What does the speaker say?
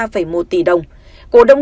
cổ đông nước việt nam